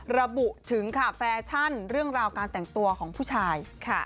ระบุถึงค่ะแฟชั่นเรื่องราวการแต่งตัวของผู้ชาย